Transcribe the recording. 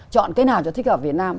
chọn cái nào cho thích hợp việt nam